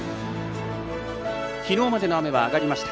きのうまでの雨は上がりました。